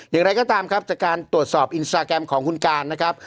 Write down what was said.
อย่างไรก็ตามครับจากการตรวจสอบอินสตาแกรมของคุณการนะครับ